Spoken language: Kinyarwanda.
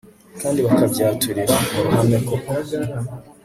kandi bakabyaturira mu ruhame koko